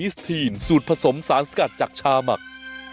สร้างสกัดจากชาบักษ์